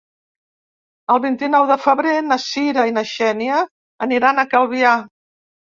El vint-i-nou de febrer na Cira i na Xènia aniran a Calvià.